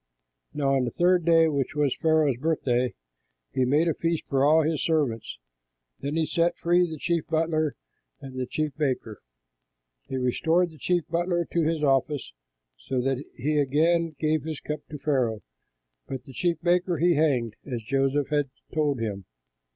Now on the third day, which was Pharaoh's birthday, he made a feast for all his servants. Then he set free the chief butler and the chief baker. He restored the chief butler to his office, so that he again gave the cup to Pharaoh; but the chief baker he hanged, as Joseph had told them.